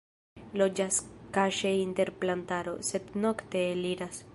Loĝas kaŝe inter plantaro, sed nokte eliras.